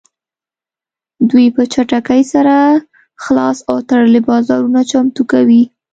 دوی په چټکۍ سره خلاص او تړلي بازارونه چمتو کوي